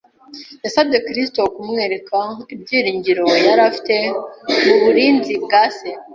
Yasabye Kristo kumwereka ibyiringiro yari afite mu burinzi bwa Se